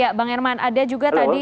ya bang herman ada juga tadi